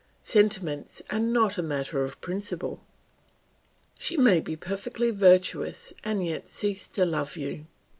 Sentiments are not a matter of principle; she may be perfectly virtuous and yet cease to love you.